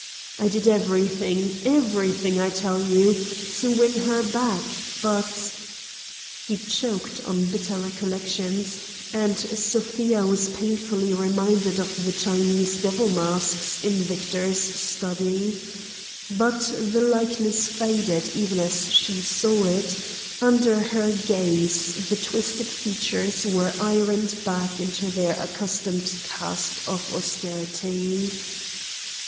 I did everything—everything, I tell you!—to win her back, but—" He choked on bitter recollections—and Sofia was painfully reminded of the Chinese devil masks in Victor's study. But the likeness faded even as she saw it, under her gaze the twisted features were ironed back into their accustomed cast of austerity.